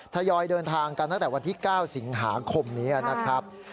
ทยอยเดินทางกันตั้งแต่วันที่๙สิงหาคมนี้นะครับ